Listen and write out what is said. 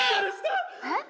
えっ？